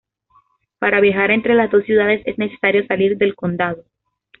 Para viajar entre las dos ciudades es necesario salir del condado.